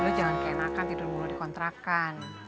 lo jangan keenakan tidur mulu dikontrakan